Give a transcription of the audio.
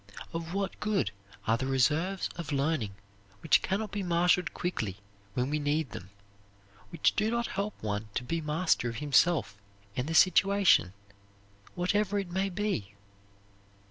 Of what good are the reserves of learning which can not be marshaled quickly when we need them, which do not help one to be master of himself and the situation, whatever it may be?